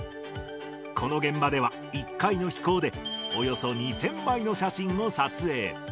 この現場では、１回の飛行でおよそ２０００枚の写真を撮影。